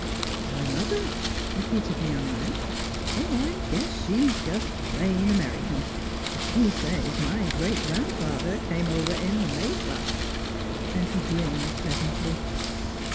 "My mother?" repeated the young man. " Oh, I guess she's just plain American. She says my great grandfather came over in the * May flower.' ' And he grinned pleasantly.